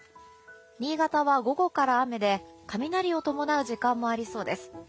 新潟は午後から雨で雷を伴う時間もありそうです。